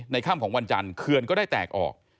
ค่ำของวันจันทร์เคือนก็ได้แตกออก